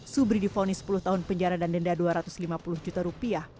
subri difonis sepuluh tahun penjara dan denda dua ratus lima puluh juta rupiah